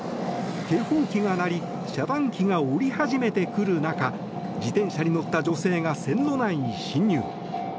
警報機が鳴り遮断機が下り始めてくる中自転車に乗った女性が線路内に進入。